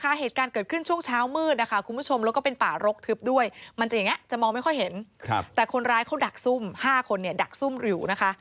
เหตุการณ์เหตุการณ์เกิดขึ้นช่วงเช้ามืดนะคะคุณผู้ชมแล้วก็เป็นป่ารกแต่คนร้ายเขาดักซุ่มห้าคนดักซุ่มอยู่นะคะ